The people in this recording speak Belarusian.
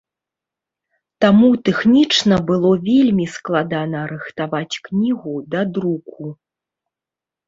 Таму тэхнічна было вельмі складана рыхтаваць кнігу да друку.